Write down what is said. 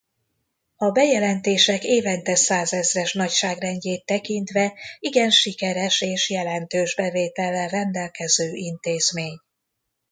A bejelentések évente százezres nagyságrendjét tekintve igen sikeres és jelentős bevétellel rendelkező intézmény.